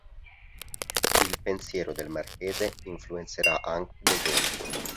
Il pensiero del Marchese influenzerà anche De Gaulle.